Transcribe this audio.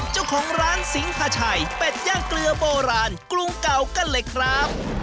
เจ้าของร้านสิงหาชัยเป็ดย่างเกลือโบราณกรุงเก่ากันเลยครับ